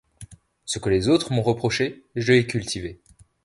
Ce que les autres m’ont reproché, je l’ai cultivé.